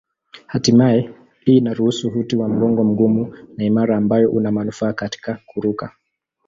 Hatimaye hii inaruhusu uti wa mgongo mgumu na imara ambayo una manufaa katika kuruka.